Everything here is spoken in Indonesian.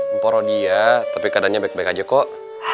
empor rodia tapi keadaannya baik baik aja kok